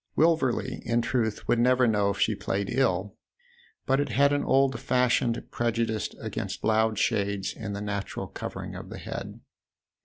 Wilverley, in truth, would never know if she played ill ; but it had an old fashioned prejudice against loud shades in the natural cover ing of the head.